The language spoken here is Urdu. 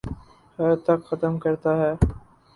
خر تک ختم کرتا ہے